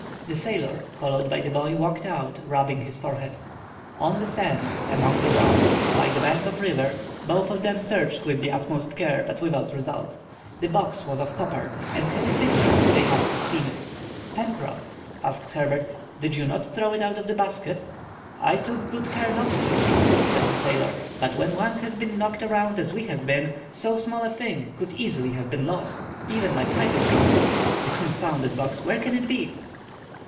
The sailor, followed by the boy, walked out, rubbing his forehead. On the sand, among the rocks, by the bank of the river, both of them searched with the utmost care, but without result. The box was of copper, and had it been there, they must have seen it. "Pencroff," asked Herbert, "did not you throw it out of the basket?" "I took good care not to," said the sailor. "But when one has been knocked around as we have been, so small a thing could easily have been lost; even my pipe is gone. The confounded box; where can it be?"